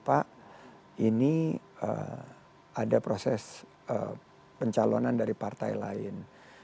pak ini ada proses pencalonan dari partai lain